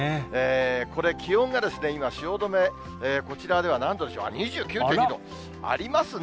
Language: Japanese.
これ、気温が今、汐留、こちらでは、何度でしょう、２９．２度。ありますね。